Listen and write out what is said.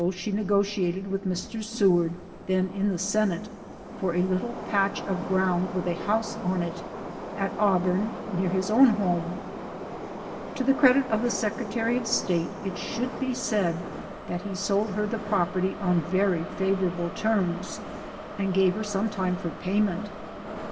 he negotiated with Mr. Seward then in the Senate for a little patch of ground with a house on it, at Auburn, near his own home. LIFE OF HARRIET TUBMAN. 81 To the credit of the Secretary of State it should be said, that he sold her the property on very favora ble terms, and gave her some time for payment.